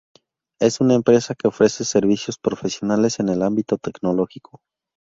Es una empresa que ofrece servicios profesionales en el ámbito tecnológico.